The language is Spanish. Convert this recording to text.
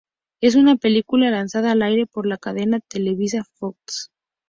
Es una película lanzada al aire por la cadena televisiva Fox.